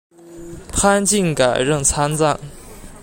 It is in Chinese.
潘靖改任参赞。